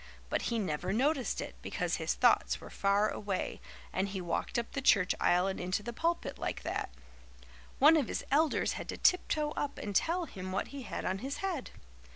But he never noticed it, because his thoughts were far away, and he walked up the church aisle and into the pulpit, like that. One of his elders had to tiptoe up and tell him what he had on his head.